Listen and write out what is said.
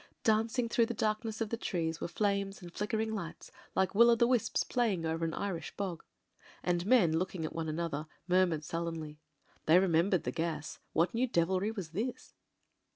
Dancing through the darkness of the trees were flames and flickering lights, like wiil o' the wispi playing over an Irish bog. And men, looking at one another, muttered sullenly. They re membered the gas; what new devilry was this?